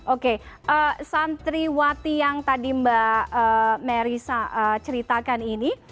oke santriwati yang tadi mbak merissa ceritakan ini